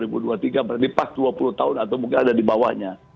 berarti pas dua puluh tahun atau mungkin ada di bawahnya